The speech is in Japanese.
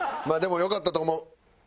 まあでもよかったと思う。